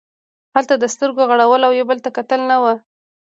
هلته د سترګو غړول او یو بل ته کتل نه وو.